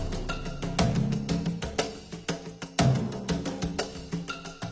เก้าชีวิตหรือเราให้เจ้าของโน้น